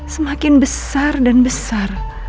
semakin besar dan besar